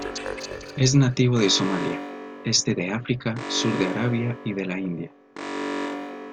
Es nativo de Somalia, este de África, sur de Arabia y de la India.